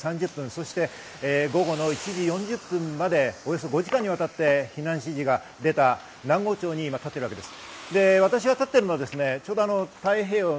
そして午後１時４０分まで、およそ５時間にわたって避難指示が出た南郷町に立っています。